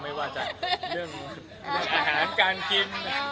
ไม่ว่าจะเรื่องอาหารการกิน